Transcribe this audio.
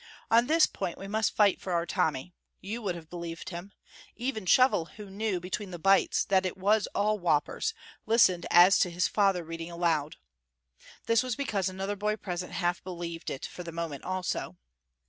On this point we must fight for our Tommy. You would have believed him. Even Shovel, who knew, between the bites, that it was all whoppers, listened as to his father reading aloud. This was because another boy present half believed it for the moment also.